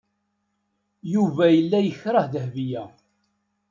Yuba yella yekreh Dahbiya.